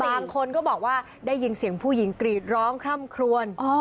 บางคนก็บอกว่าได้ยินเสียงผู้หญิงกรีดร้องคร่ำครวน